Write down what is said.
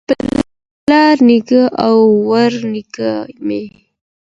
پلار نیکه او ورنیکه مي